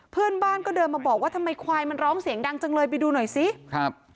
เพื่อนบ้านก็เดินมาบอกว่าทำไมควายมันร้องเสียงดังจังเลยไปดูหน่อยซิครับ